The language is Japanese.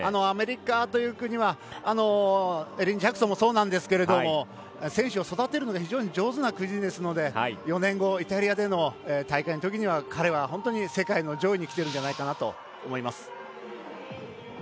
アメリカという国はエリン・ジャクソンもそうなんですけど選手を育てるのが非常に上手な国ですので４年後、イタリアでの大会の時には彼は世界の上位に来てるんじゃないかと思います。